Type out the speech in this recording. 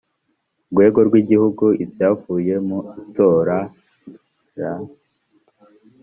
rwego rw’igihugu ibyavuye mu itora l